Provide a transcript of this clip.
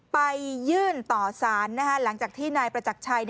ไปยื่นต่อสารหลังจากที่นายประจักรชัย